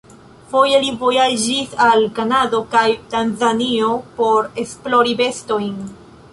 Foje li vojaĝis al Kanado kaj Tanzanio por esplori bestojn.